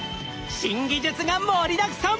新技術が盛りだくさん！